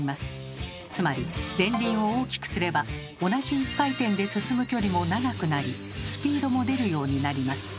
つまり前輪を大きくすれば同じ１回転で進む距離も長くなりスピードも出るようになります。